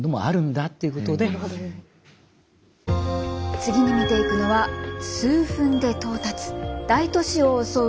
次に見ていくのは「数分で到達」「大都市を襲う」